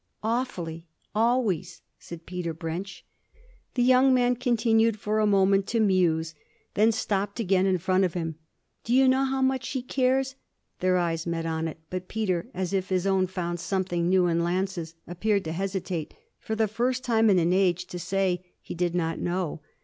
'Awfully. Always,' said Peter Brench. The young man continued for a moment to muse then stopped again in front of him. 'Do you know how much she cares?' Their eyes met on it, but Peter, as if his own found something new in Lance's, appeared to hesitate, for the first time in an age, to say he did know.